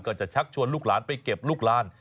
จะชักชวนลูกหลานไปเก็บลูกลาน